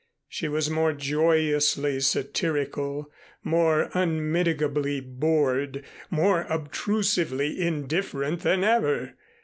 She was more joyously satirical, more unmitigably bored, more obtrusively indifferent than ever.